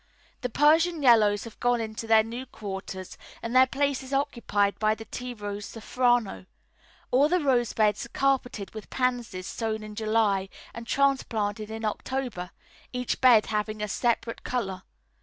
The Persian Yellows have gone into their new quarters, and their place is occupied by the tearose Safrano; all the rose beds are carpeted with pansies sown in July and transplanted in October, each bed having a separate colour.